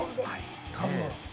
多分。